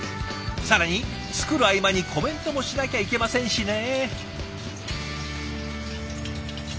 更に作る合間にコメントもしなきゃいけませんしね。